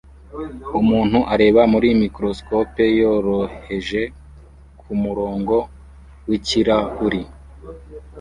Umuntu areba muri microscope yoroheje kumurongo wikirahure